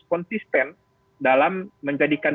konsisten dalam menjadikan